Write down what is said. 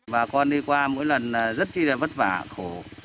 bà con đi qua mỗi lần rất là vất vả khổ